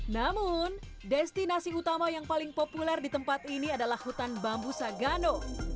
namun destinasi utama yang paling populer di tempat ini adalah hutan bambu sagano